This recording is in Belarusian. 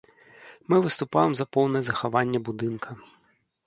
Мы выступаем за поўнае захаванне будынка.